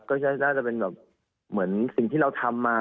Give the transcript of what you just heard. ก็น่าจะเป็นแบบเหมือนสิ่งที่เราทำมา